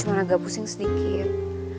cuma agak pusing sedikit